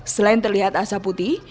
selain terlihat asap putih